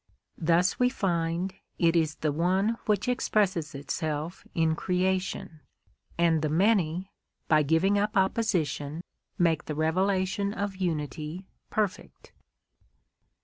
Thus we find it is the One which expresses itself in creation; and the Many, by giving up opposition, make the revelation of unity perfect.